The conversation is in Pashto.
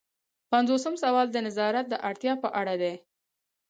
پنځوسم سوال د نظارت د اړتیا په اړه دی.